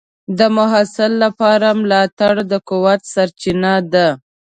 د محصل لپاره ملاتړ د قوت سرچینه ده.